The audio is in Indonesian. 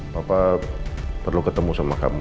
bapak perlu ketemu sama kamu